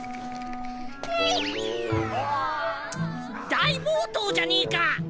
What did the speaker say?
大暴投じゃねえか！